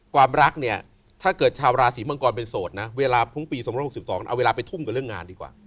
ความรักเนี่ยถ้าเกิดชาวราศีมังกรเป็นโสดนะเวลาพรุ้งปี๒๖๒เอาเวลาไปทุ่มกับเรื่องงานดีกว่า